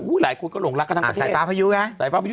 อื๑๙๑๗แล้วก็หลงลักษณ์ทั้งประเทศ